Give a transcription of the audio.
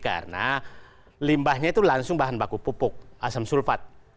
karena limbahnya itu langsung bahan baku pupuk asam sulfat